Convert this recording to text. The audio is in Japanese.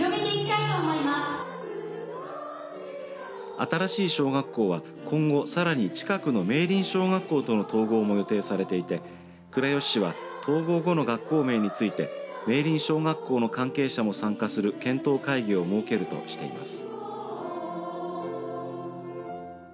新しい小学校は今後さらに近くの明倫小学校との統合も予定されていて倉吉市は統合後の学校名について明倫小学校の関係者も参加する検討会議を設けるとしています。